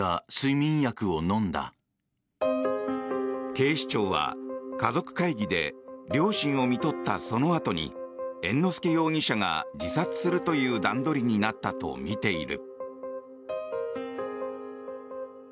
警視庁は、家族会議で両親をみとったそのあとに猿之助容疑者が自殺するという段取りになったとみている。